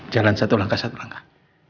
jalan satu langkah satu langkah